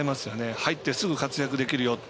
入ってすぐ活躍できるよって。